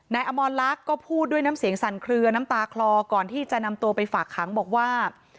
อมรลักษณ์ก็พูดด้วยน้ำเสียงสั่นเคลือน้ำตาคลอก่อนที่จะนำตัวไปฝากขังบอกว่า